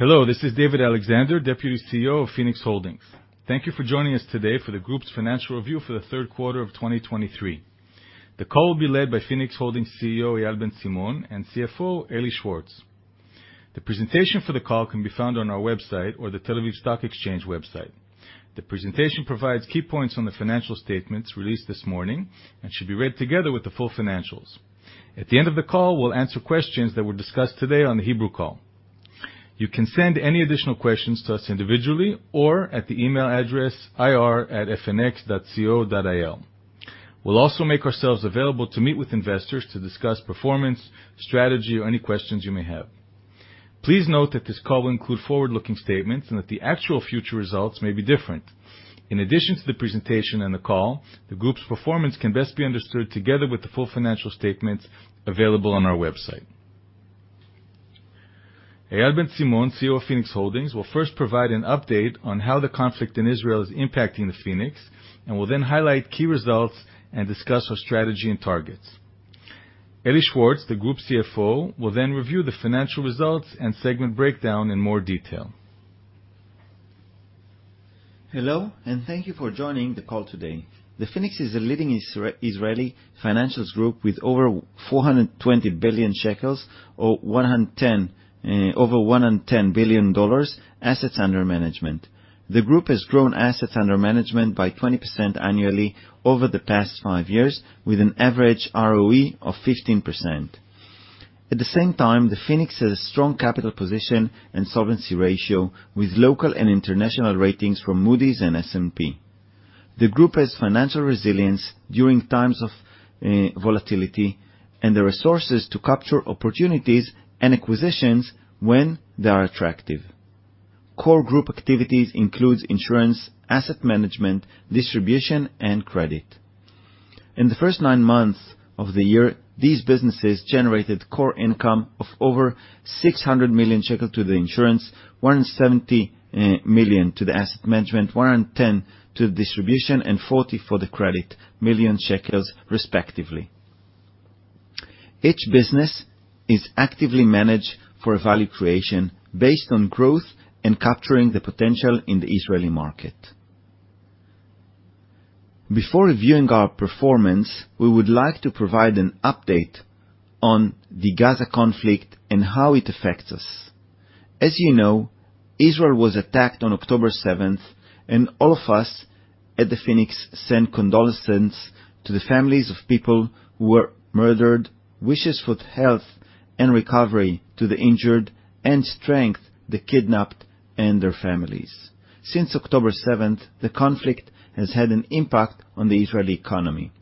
Hello, this is David Alexander, Deputy CEO of Phoenix Holdings. Thank you for joining us today for the group's financial review for the third quarter of 2023. The call will be led by Phoenix Holdings CEO, Eyal Ben-Simon, and CFO, Eli Schwartz. The presentation for the call can be found on our website or the Tel Aviv Stock Exchange website. The presentation provides key points on the financial statements released this morning and should be read together with the full financials. At the end of the call, we will answer questions that were discussed today on the Hebrew call. You can send any additional questions to us individually or at the email address ir@fnx.co.il. We will also make ourselves available to meet with investors to discuss performance, strategy, or any questions you may have. Please note that this call will include forward-looking statements and that the actual future results may be different. In addition to the presentation and the call, the group's performance can best be understood together with the full financial statements available on our website. Eyal Ben-Simon, CEO of Phoenix Holdings, will first provide an update on how the conflict in Israel is impacting the Phoenix, will then highlight key results and discuss our strategy and targets. Eli Schwartz, the group CFO, will review the financial results and segment breakdown in more detail. Hello, thank you for joining the call today. The Phoenix is a leading Israeli financials group with over 420 billion shekels or over $110 billion assets under management. The group has grown assets under management by 20% annually over the past five years, with an average ROE of 15%. At the same time, the Phoenix has a strong capital position and solvency ratio, with local and international ratings from Moody's and S&P. The group has financial resilience during times of volatility and the resources to capture opportunities and acquisitions when they are attractive. Core group activities includes insurance, asset management, distribution, and credit. In the first nine months of the year, these businesses generated core income of over 600 million shekel to the insurance, 170 million to the asset management, 110 to the distribution, and 40 for the credit, million respectively. Each business is actively managed for value creation based on growth and capturing the potential in the Israeli market. Before reviewing our performance, we would like to provide an update on the Gaza conflict and how it affects us. As you know, Israel was attacked on October 7th, all of us at the Phoenix send condolences to the families of people who were murdered, wishes for health and recovery to the injured, strength to the kidnapped and their families. Since October 7th, the conflict has had an impact on the Israeli economy.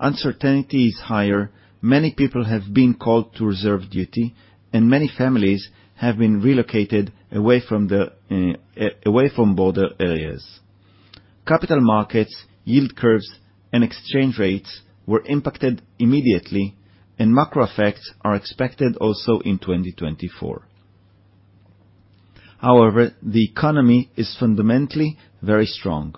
Uncertainty is higher. Many people have been called to reserve duty, many families have been relocated away from border areas. Capital markets, yield curves, and exchange rates were impacted immediately, macro effects are expected also in 2024. However, the economy is fundamentally very strong.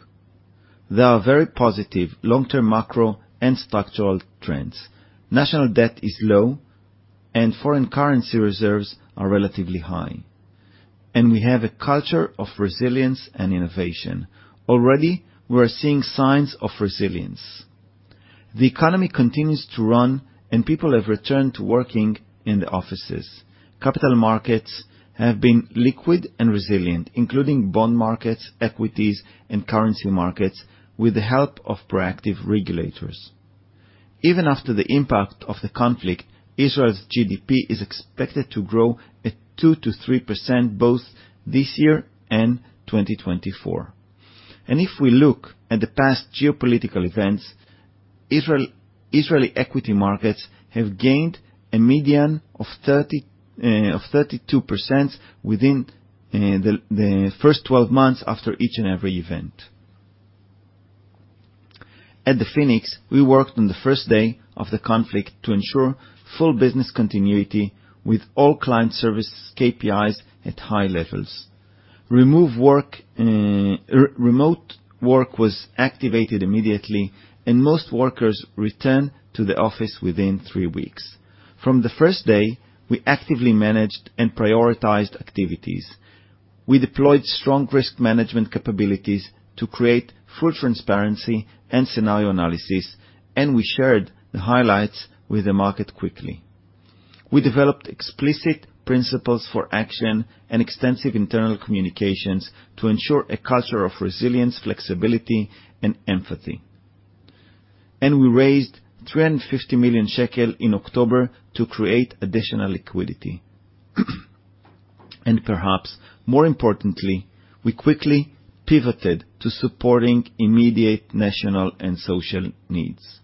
There are very positive long-term macro and structural trends. National debt is low and foreign currency reserves are relatively high, we have a culture of resilience and innovation. Already, we are seeing signs of resilience. The economy continues to run, and people have returned to working in the offices. Capital markets have been liquid and resilient, including bond markets, equities, and currency markets with the help of proactive regulators. Even after the impact of the conflict, Israel's GDP is expected to grow at 2%-3% both this year and 2024. If we look at the past geopolitical events, Israeli equity markets have gained a median of 32% within the first 12 months after each and every event. At The Phoenix, we worked on the first day of the conflict to ensure full business continuity with all client service KPIs at high levels. Remote work was activated immediately, most workers returned to the office within three weeks. From the first day, we actively managed and prioritized activities. We deployed strong risk management capabilities to create full transparency and scenario analysis, we shared the highlights with the market quickly. We developed explicit principles for action and extensive internal communications to ensure a culture of resilience, flexibility, and empathy. We raised 350 million shekel in October to create additional liquidity. Perhaps more importantly, we quickly pivoted to supporting immediate national and social needs.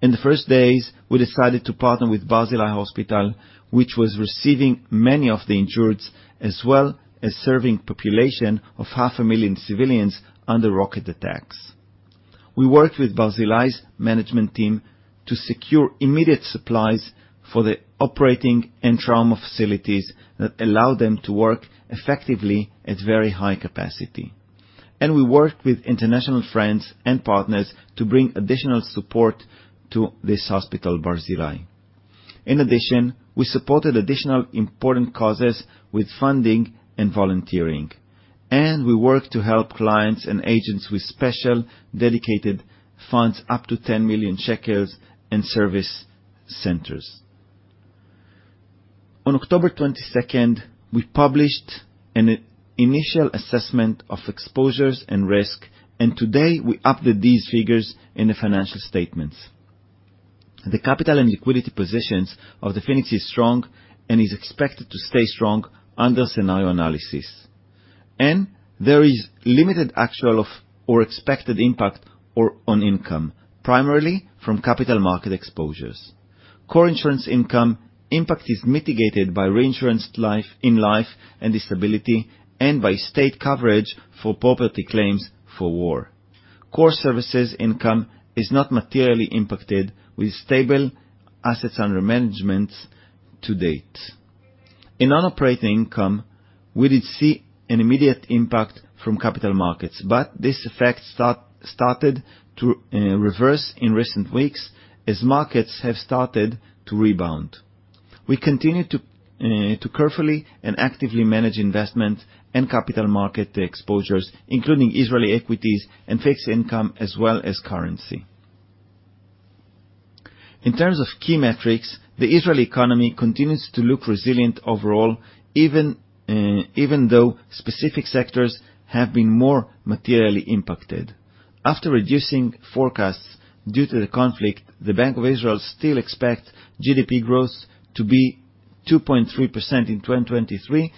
In the first days, we decided to partner with Barzilai Medical Center, which was receiving many of the injured, as well as serving population of half a million civilians under rocket attacks. We worked with Barzilai Medical Center's management team to secure immediate supplies for the operating and trauma facilities that allow them to work effectively at very high capacity. We worked with international friends and partners to bring additional support to this hospital, Barzilai Medical Center. In addition, we supported additional important causes with funding and volunteering, we work to help clients and agents with special dedicated funds up to 10 million shekels in service centers. On October 22nd, we published an initial assessment of exposures and risk, today we update these figures in the financial statements. The capital and liquidity positions of Phoenix Holdings is strong and is expected to stay strong under scenario analysis, there is limited actual or expected impact on income, primarily from capital market exposures. Core insurance income impact is mitigated by reinsurance in life and disability and by state coverage for property claims for war. Core services income is not materially impacted, with stable assets under management to date. In non-operating income, we did see an immediate impact from capital markets, this effect started to reverse in recent weeks as markets have started to rebound. We continue to carefully and actively manage investment and capital market exposures, including Israeli equities and fixed income, as well as currency. In terms of key metrics, the Israeli economy continues to look resilient overall, even though specific sectors have been more materially impacted. After reducing forecasts due to the conflict, the Bank of Israel still expect GDP growth to be 2.3% in 2023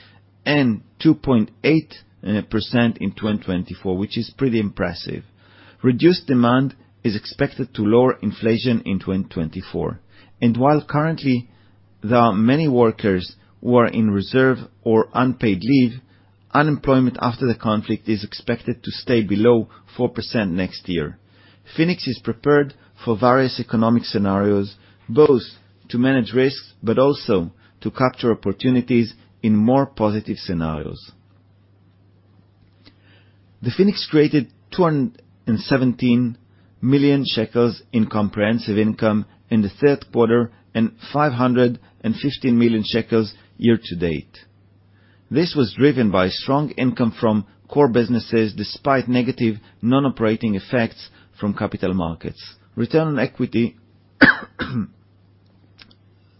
and 2.8% in 2024, which is pretty impressive. Reduced demand is expected to lower inflation in 2024. While currently there are many workers who are in reserve or unpaid leave, unemployment after the conflict is expected to stay below 4% next year. Phoenix is prepared for various economic scenarios, both to manage risks but also to capture opportunities in more positive scenarios. The Phoenix created 217 million shekels in comprehensive income in the third quarter and 515 million shekels year to date. This was driven by strong income from core businesses despite negative non-operating effects from capital markets. Return on equity.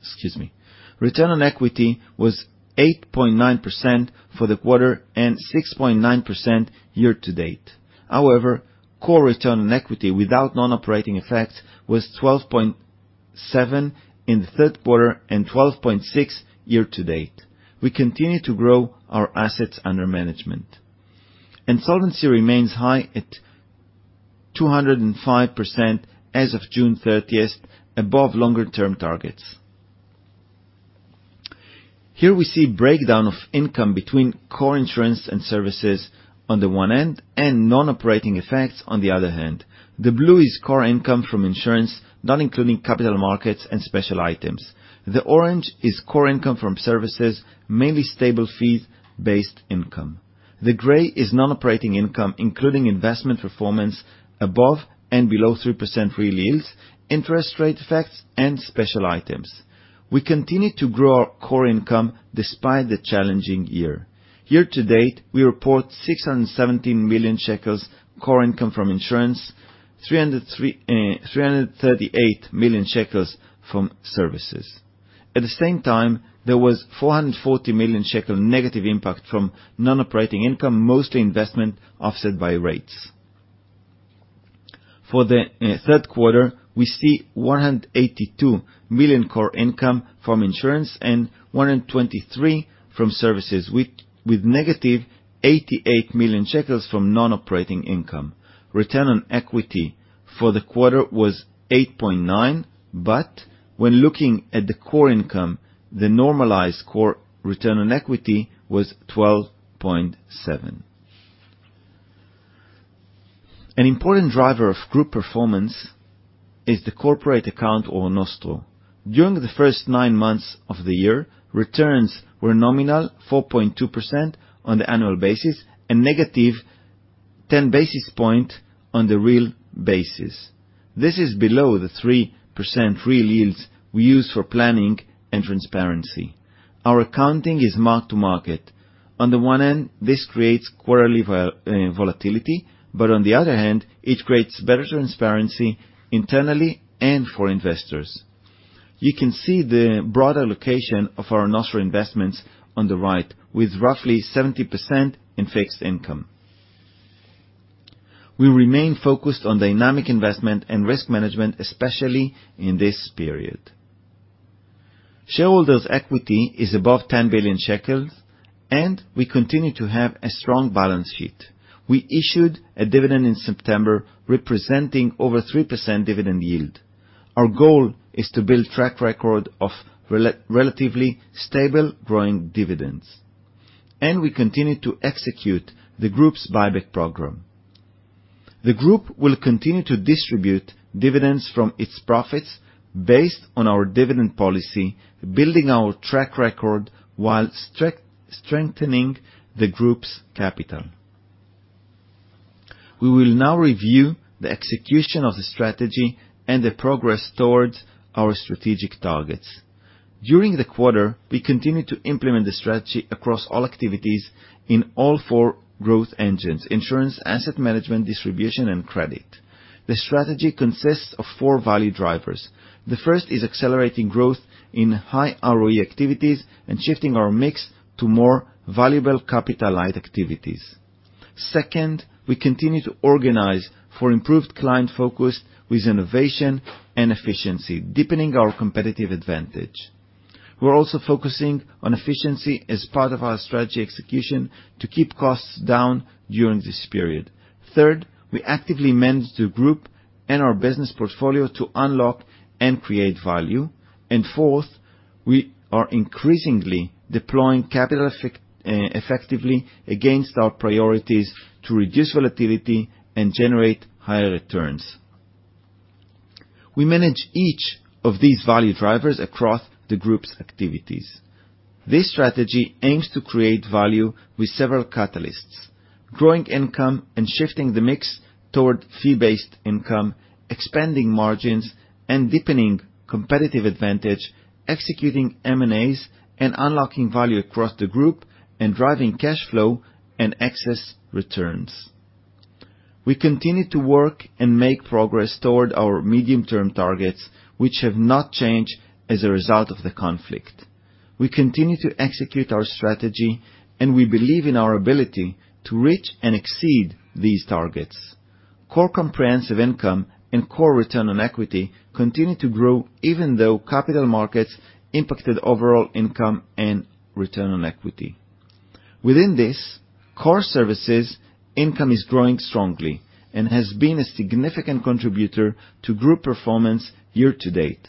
Excuse me, return on equity was 8.9% for the quarter and 6.9% year to date. However, core return on equity without non-operating effects was 12.7% in the third quarter and 12.6% year to date. We continue to grow our assets under management, and solvency remains high at 205% as of June 30th, above longer-term targets. Here we see breakdown of income between core insurance and services on the one hand and non-operating effects on the other hand. The blue is core income from insurance, not including capital markets and special items. The orange is core income from services, mainly stable fees-based income. The gray is non-operating income, including investment performance above and below 3% real yields, interest rate effects, and special items. We continue to grow our core income despite the challenging year. Year to date, we report 617 million shekels core income from insurance, 338 million shekels from services. At the same time, there was 440 million shekel negative impact from non-operating income, mostly investment offset by rates. For the third quarter, we see 182 million core income from insurance and 123 million from services, with negative 88 million shekels from non-operating income. Return on equity for the quarter was 8.9%, but when looking at the core income, the normalized core return on equity was 12.7%. An important driver of group performance is the corporate account or nostro. During the first nine months of the year, returns were a nominal 4.2% on the annual basis and negative 10 basis points on the real basis. This is below the 3% real yields we use for planning and transparency. Our accounting is mark-to-market. On the one hand, this creates quarterly volatility, but on the other hand, it creates better transparency internally and for investors. You can see the broader location of our nostro investments on the right, with roughly 70% in fixed income. Shareholders' equity is above 10 billion shekels, and we continue to have a strong balance sheet. We issued a dividend in September, representing over 3% dividend yield. Our goal is to build track record of relatively stable growing dividends, and we continue to execute the group's buyback program. The group will continue to distribute dividends from its profits based on our dividend policy, building our track record while strengthening the group's capital. We will now review the execution of the strategy and the progress towards our strategic targets. During the quarter, we continued to implement the strategy across all activities in all four growth engines: insurance, asset management, distribution, and credit. The strategy consists of four value drivers. First is accelerating growth in high ROE activities and shifting our mix to more valuable capital-light activities. Second, we continue to organize for improved client focus with innovation and efficiency, deepening our competitive advantage. We're also focusing on efficiency as part of our strategy execution to keep costs down during this period. Third, we actively manage the group and our business portfolio to unlock and create value. fourth, we are increasingly deploying capital effectively against our priorities to reduce volatility and generate higher returns. We manage each of these value drivers across the group's activities. This strategy aims to create value with several catalysts: growing income and shifting the mix toward fee-based income, expanding margins and deepening competitive advantage, executing M&As and unlocking value across the group, and driving cash flow and excess returns. We continue to work and make progress toward our medium-term targets, which have not changed as a result of the conflict. We continue to execute our strategy, and we believe in our ability to reach and exceed these targets. Core comprehensive income and core return on equity continue to grow even though capital markets impacted overall income and return on equity. Within this, core services income is growing strongly and has been a significant contributor to group performance year to date.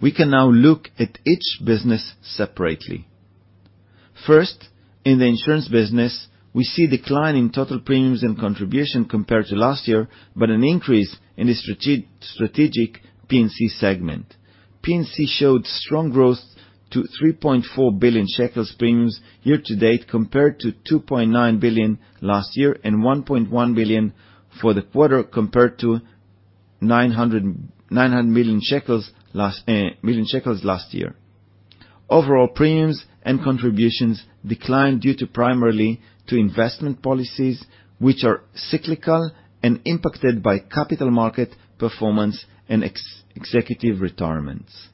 We can now look at each business separately. First, in the insurance business, we see decline in total premiums and contribution compared to last year, but an increase in the strategic P&C segment. P&C showed strong growth to 3.4 billion shekels premiums year to date, compared to 2.9 billion last year and 1.1 billion for the quarter, compared to 900 million shekels last year. Overall premiums and contributions declined due primarily to investment policies, which are cyclical and impacted by capital market performance and executive retirements.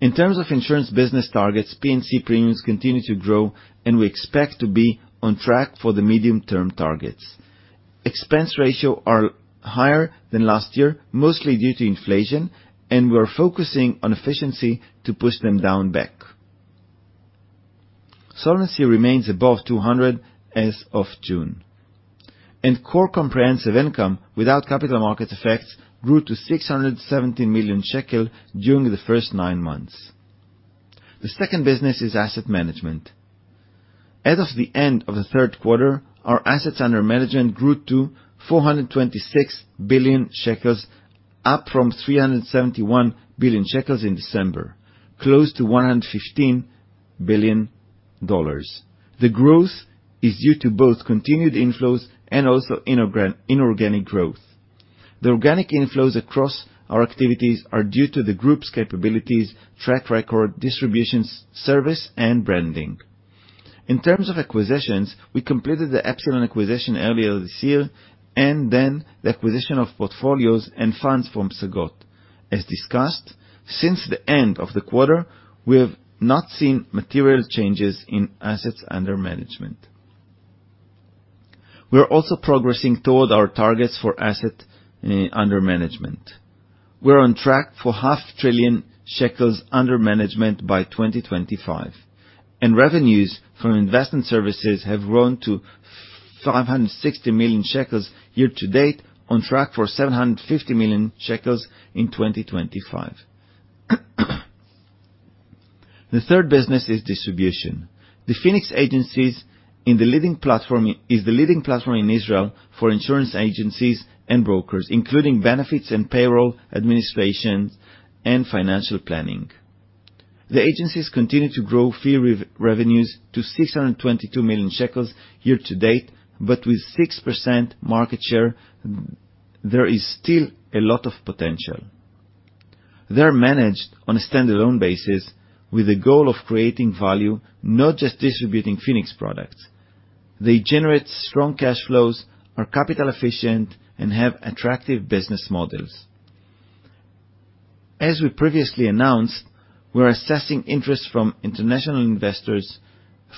In terms of insurance business targets, P&C premiums continue to grow, and we expect to be on track for the medium-term targets. Expense ratio are higher than last year, mostly due to inflation, and we are focusing on efficiency to push them down back. Solvency remains above 200 as of June, and core comprehensive income, without capital markets effects, grew to 670 million shekel during the first nine months. The second business is asset management. As of the end of the third quarter, our assets under management grew to 426 billion shekels, up from 371 billion shekels in December, close to $115 billion. The growth is due to both continued inflows and also inorganic growth. The organic inflows across our activities are due to the group's capabilities, track record, distribution service, and branding. In terms of acquisitions, we completed the Epsilon acquisition earlier this year and then the acquisition of portfolios and funds from Psagot. As discussed, since the end of the quarter, we have not seen material changes in assets under management. We are also progressing toward our targets for assets under management. We're on track for half a trillion shekels under management by 2025, and revenues from investment services have grown to 560 million shekels year to date, on track for 750 million shekels in 2025. The third business is distribution. The Phoenix Agencies is the leading platform in Israel for insurance agencies and brokers, including benefits and payroll administration and financial planning. The Agencies continue to grow fee revenues to 622 million shekels year to date, but with 6% market share, there is still a lot of potential. They're managed on a standalone basis with the goal of creating value, not just distributing Phoenix products. They generate strong cash flows, are capital efficient, and have attractive business models. As we previously announced, we're assessing interest from international investors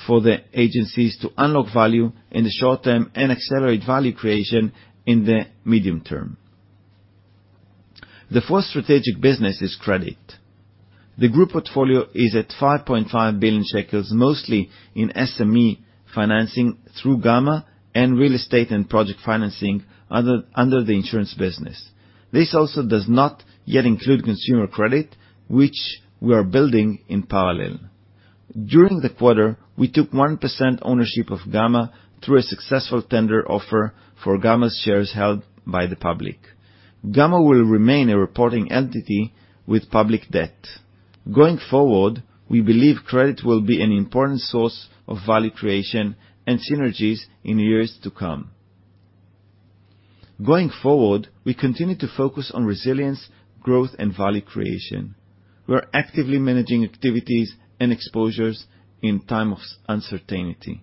for the Agencies to unlock value in the short term and accelerate value creation in the medium term. The fourth strategic business is credit. The group portfolio is at 5.5 billion shekels, mostly in SME financing through Gamma and real estate and project financing under the insurance business. This also does not yet include consumer credit, which we are building in parallel. During the quarter, we took 1% ownership of Gamma through a successful tender offer for Gamma's shares held by the public. Gamma will remain a reporting entity with public debt. We believe credit will be an important source of value creation and synergies in years to come. We continue to focus on resilience, growth, and value creation. We are actively managing activities and exposures in time of uncertainty.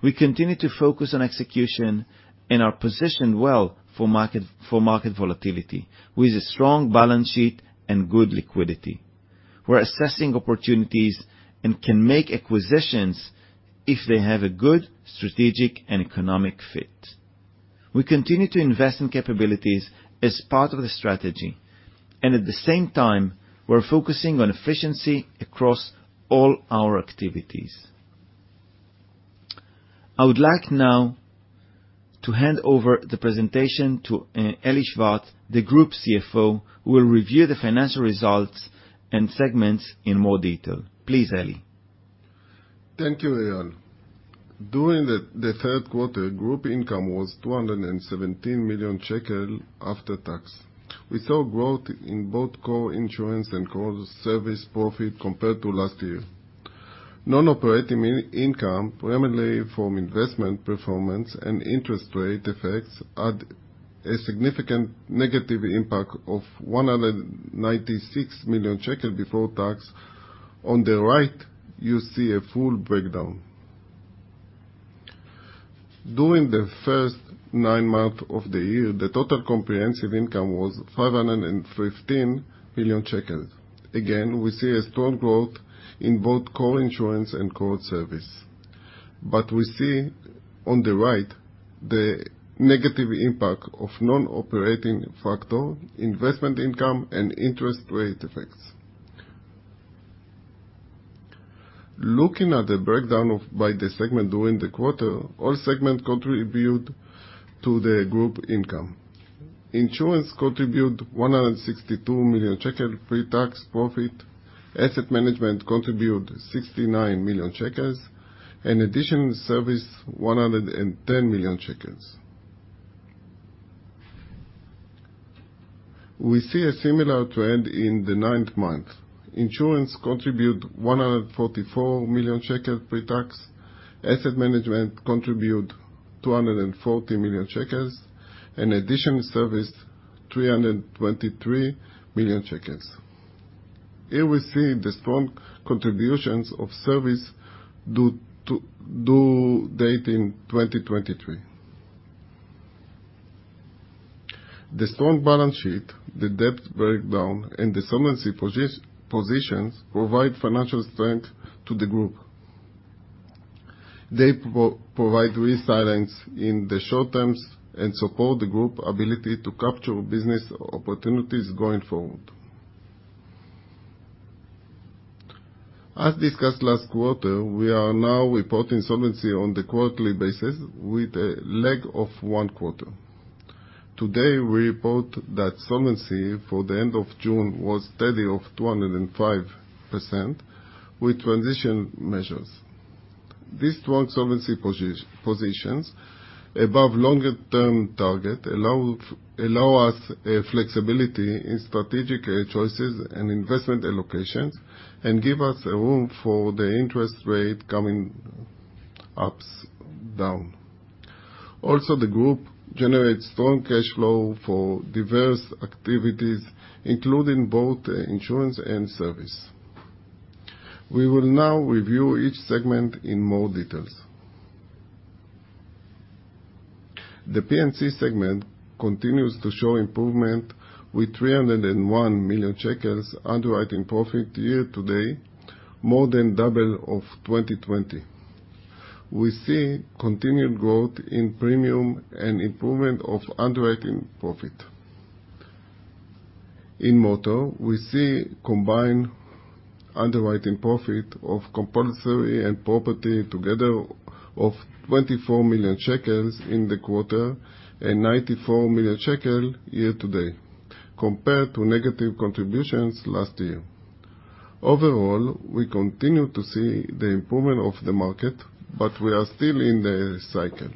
We continue to focus on execution and are positioned well for market volatility with a strong balance sheet and good liquidity. We're assessing opportunities and can make acquisitions if they have a good strategic and economic fit. We continue to invest in capabilities as part of the strategy. At the same time, we're focusing on efficiency across all our activities. I would like now to hand over the presentation to Eli Schwartz, the Group CFO, who will review the financial results and segments in more detail. Please, Eli. Thank you, Eyal. During the third quarter, group income was 217 million shekel after tax. We saw growth in both core insurance and core service profit compared to last year. Non-operating income, primarily from investment performance and interest rate effects, had a significant negative impact of 196 million shekel before tax. On the right, you see a full breakdown. During the first nine months of the year, the total comprehensive income was 515 million shekels. We see a strong growth in both core insurance and core service. We see on the right the negative impact of non-operating factor, investment income, and interest rate effects. Looking at the breakdown by the segment during the quarter, all segments contributed to the group income. Insurance contributed 162 million shekel pre-tax profit. Asset management contributed 69 million shekels and additional service 110 million shekels. We see a similar trend in the ninth month. Insurance contribute 144 million shekels pre-tax. Asset management contribute 240 million shekels and additional service 323 million shekels. Here we see the strong contributions of service due date in 2023. The strong balance sheet, the debt breakdown, and the solvency positions provide financial strength to the group. They provide resilience in the short terms and support the group ability to capture business opportunities going forward. As discussed last quarter, we are now reporting solvency on the quarterly basis with a lag of one quarter. Today, we report that solvency for the end of June was steady of 205% with transitional measures. These strong solvency positions above longer-term target allow us flexibility in strategic choices and investment allocations and give us a room for the interest rate coming ups, down. The group generates strong cash flow for diverse activities, including both insurance and service. We will now review each segment in more details. The P&C segment continues to show improvement with 301 million shekels underwriting profit year-to-date, more than double of 2020. We see continued growth in premium and improvement of underwriting profit. In motor, we see combined underwriting profit of compulsory and property together of 24 million shekels in the quarter and 94 million shekels year-to-date, compared to negative contributions last year. We continue to see the improvement of the market, but we are still in the cycle.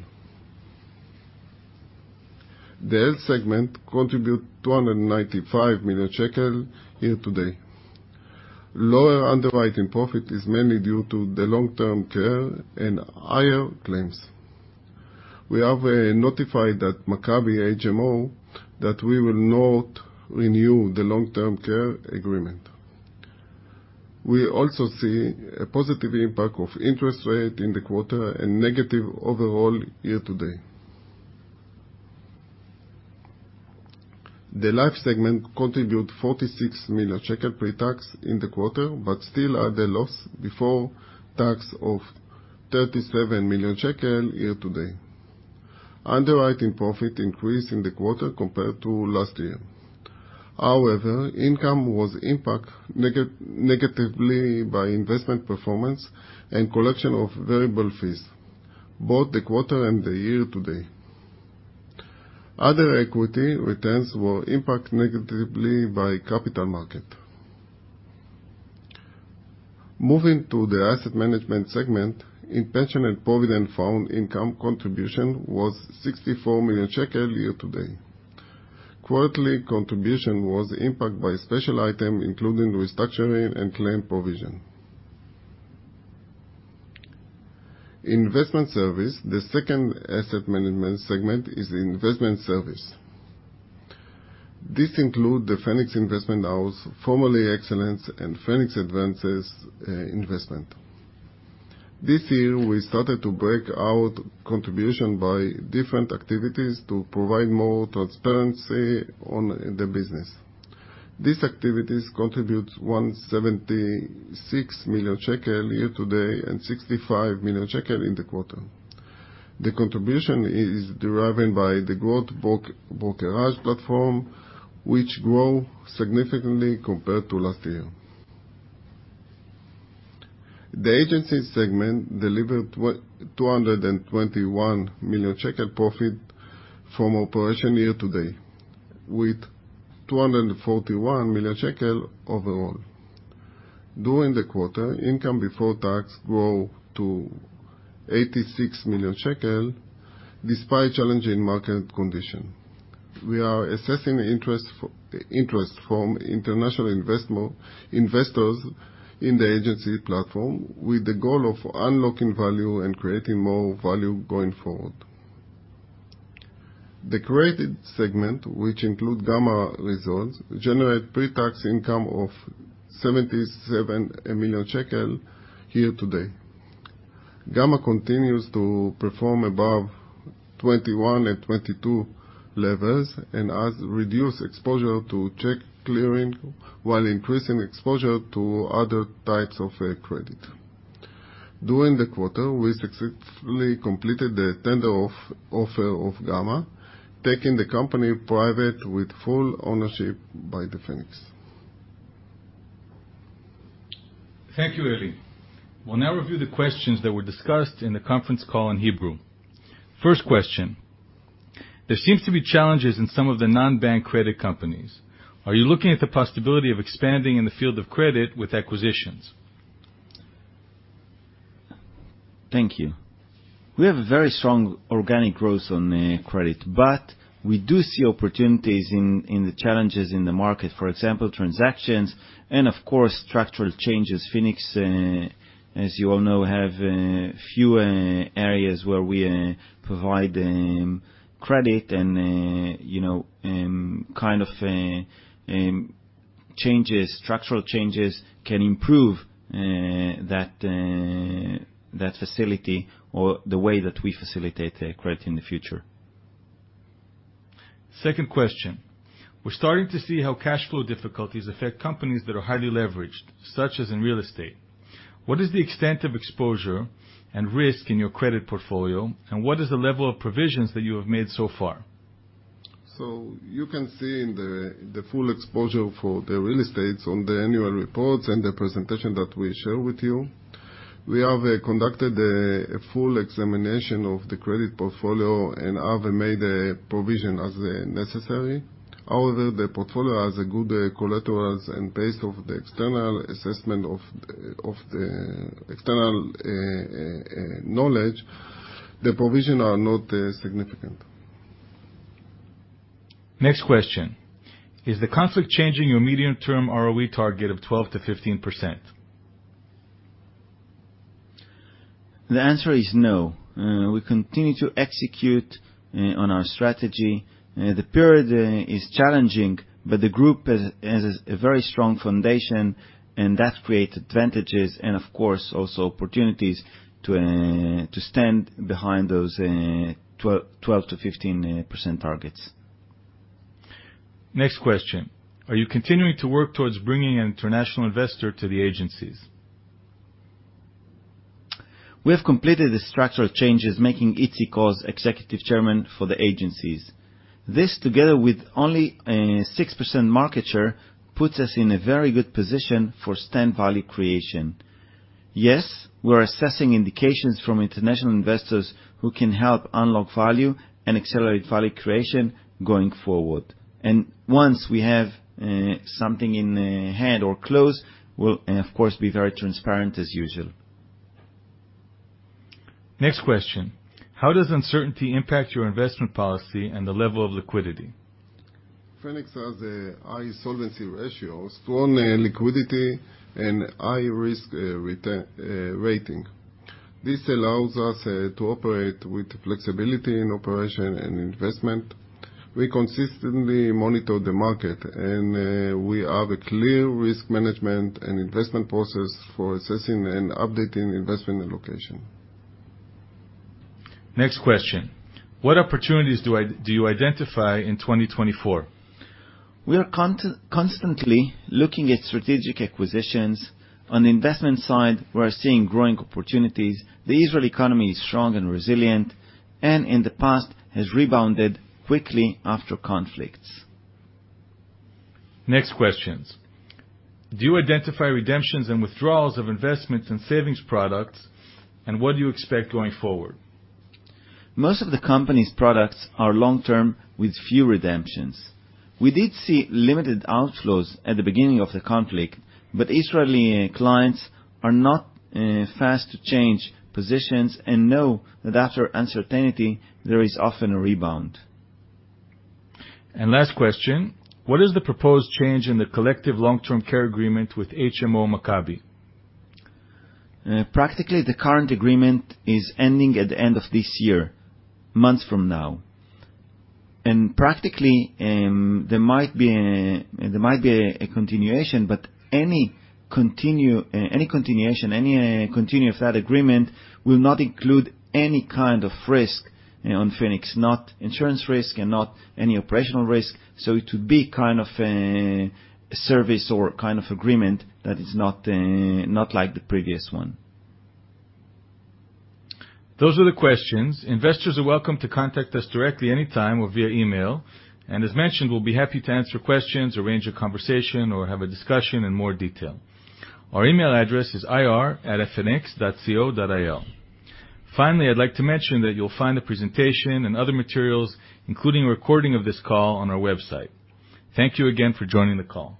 The health segment contribute ILS 295 million year-to-date. Lower underwriting profit is mainly due to the long-term care and higher claims. We have notified Maccabi HMO that we will not renew the long-term care agreement. We also see a positive impact of interest rate in the quarter and negative overall year-to-date. The life segment contribute 46 million shekel pre-tax in the quarter, but still at a loss before tax of 37 million shekel year-to-date. Underwriting profit increased in the quarter compared to last year. Income was impact negatively by investment performance and collection of variable fees, both the quarter and the year-to-date. Other equity returns were impact negatively by capital market. Moving to the asset management segment, in pension and provident fund income contribution was 64 million year-to-date. Quarterly contribution was impacted by special items, including restructuring and claim provision. Investment service. The second asset management segment is investment service. This includes the Phoenix Investment House, formerly Excellence, and Phoenix Advanced Investment. This year, we started to break out contribution by different activities to provide more transparency on the business. These activities contribute 176 million shekel year-to-date and 65 million shekel in the quarter. The contribution is driven by the growth brokerage platform, which grew significantly compared to last year. The agency segment delivered a 221 million shekel profit from operations year-to-date, with 241 million shekel overall. During the quarter, income before tax grew to 86 million shekel, despite challenging market conditions. We are assessing interest from international investors in the agency platform, with the goal of unlocking value and creating more value going forward. The credit segment, which includes Gamma, generates pre-tax income of 77 million shekel year-to-date. Gamma continues to perform above 2021 and 2022 levels and has reduced exposure to check clearing while increasing exposure to other types of credit. During the quarter, we successfully completed the tender offer of Gamma, taking the company private with full ownership by Phoenix. Thank you, Eli. We will now review the questions that were discussed in the conference call in Hebrew. First question: There seems to be challenges in some of the non-bank credit companies. Are you looking at the possibility of expanding in the field of credit with acquisitions? Thank you. We have a very strong organic growth on credit, but we do see opportunities in the challenges in the market, for example, transactions and, of course, structural changes. Phoenix, as you all know, have a few areas where we provide credit and kind of structural changes can improve that facility or the way that we facilitate credit in the future. Second question: We are starting to see how cash flow difficulties affect companies that are highly leveraged, such as in real estate. What is the extent of exposure and risk in your credit portfolio, and what is the level of provisions that you have made so far? You can see the full exposure for the real estate on the annual reports and the presentation that we share with you. We have conducted a full examination of the credit portfolio and have made a provision as necessary. However, the portfolio has good collateral, and based on the external assessment of the external knowledge, the provisions are not significant. Next question: Is the conflict changing your medium-term ROE target of 12%-15%? The answer is no. We continue to execute on our strategy. The period is challenging, the group has a very strong foundation, and that creates advantages and, of course, also opportunities to stand behind those 12%-15% targets. Next question: Are you continuing to work towards bringing an international investor to the agencies? We have completed the structural changes, making Itzik Oz Executive Chairman for the agencies. This, together with only a 6% market share, puts us in a very good position for stand value creation. Yes, we are assessing indications from international investors who can help unlock value and accelerate value creation going forward. Once we have something in hand or close, we'll, of course, be very transparent as usual. Next question: How does uncertainty impact your investment policy and the level of liquidity? Phoenix has a high solvency ratio, strong liquidity, and high risk rating. This allows us to operate with flexibility in operation and investment. We consistently monitor the market, and we have a clear risk management and investment process for assessing and updating investment allocation. Next question: What opportunities do you identify in 2024? We are constantly looking at strategic acquisitions. On the investment side, we are seeing growing opportunities. The Israel economy is strong and resilient, and in the past has rebounded quickly after conflicts. Next questions: Do you identify redemptions and withdrawals of investments in savings products, and what do you expect going forward? Most of the company's products are long-term with few redemptions. We did see limited outflows at the beginning of the conflict, but Israeli clients are not fast to change positions and know that after uncertainty, there is often a rebound. Last question: What is the proposed change in the collective long-term care agreement with HMO Maccabi? Practically, the current agreement is ending at the end of this year, months from now. Practically, there might be a continuation, but any continuation of that agreement will not include any kind of risk on Phoenix, not insurance risk, and not any operational risk. It would be kind of a service or kind of agreement that is not like the previous one. Those are the questions. Investors are welcome to contact us directly anytime or via email. As mentioned, we'll be happy to answer questions, arrange a conversation, or have a discussion in more detail. Our email address is ir@phoenix.co.il. Finally, I'd like to mention that you'll find the presentation and other materials, including a recording of this call, on our website. Thank you again for joining the call.